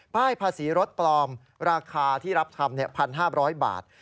ป้ายภาษีรถปลอมราคาที่รับทำ๑๕๐๐บาท